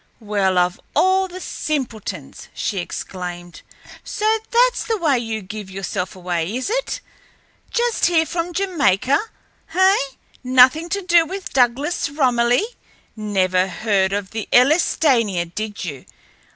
"Well, of all the simpletons!" she exclaimed. "So that's the way you give yourself away, is it? Just here from Jamaica, eh! Nothing to do with Douglas Romilly! Never heard of the Elletania, did you!